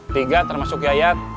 tiga termasuk yayat